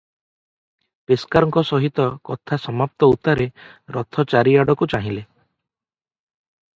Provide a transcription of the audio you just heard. ପେସ୍କାରଙ୍କ ସହିତ କଥା ସମାପ୍ତ ଉତ୍ତାରେ ରଥେ ଚାରିଆଡ଼କୁ ଚାହିଁଲେ ।